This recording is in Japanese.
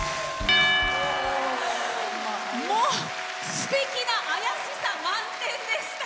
すてきなあやしさ満点でした。